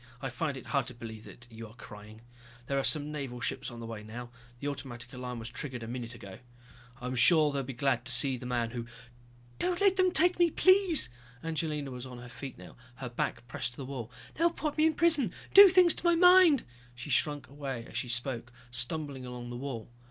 I find it very hard to believe that you are crying. There are some Naval ships on the way now, the automatic alarm was triggered about a minute ago. I'm sure they'll be glad to see the man who...." "Don't let them take me, please!" Angelina was on her feet now, her back pressed to the wall. "They'll put me in prison, do things to my mind!" She shrunk away as she spoke, stumbling along the wall.